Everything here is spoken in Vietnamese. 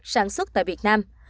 sản xuất tại việt nam